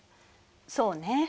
そうね。